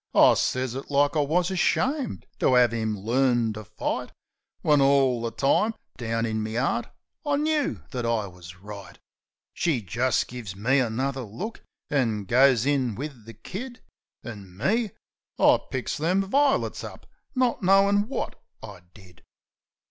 I sez it like I wus ashamed to 'ave 'im learn to fight, When all the time, down in me 'eart, I knoo that I wus right. She just gives me another look, an' goes in wiv the kid. An' me? I picks them vi'lits up, not knowin' wot I did.